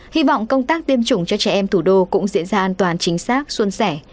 hy vọng công tác tiêm chủng cho trẻ em thủ đô cũng diễn ra an toàn chính xác xuân sẻ